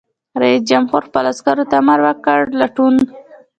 رئیس جمهور خپلو عسکرو ته امر وکړ؛ لټون!